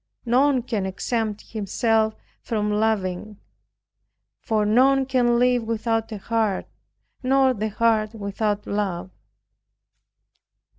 None can exempt himself from loving; for none can live without a heart, nor the heart without love.